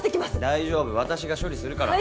大丈夫私が処理するから